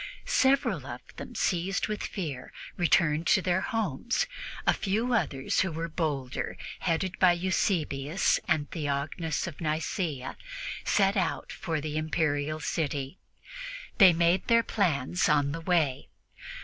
Several of them, seized with fear, returned to their homes; a few others, who were bolder, headed by Eusebius and Theognis of Nicea, set out for the Imperial city. They made their plans on the way.